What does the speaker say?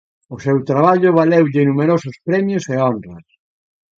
O seu traballo valeulle numerosos premios e honras.